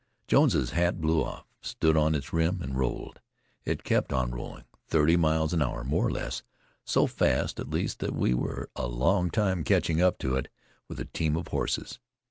Jones's hat blew off, stood on its rim, and rolled. It kept on rolling, thirty miles an hour, more or less; so fast, at least, that we were a long time catching up to it with a team of horses.